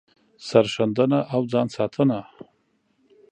سر ښندنه او ځان ساتنه